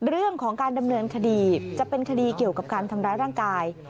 เรื่องของการดำเนินคดีจะเป็นคดีเกี่ยวกับการทำร้ายร่างกาย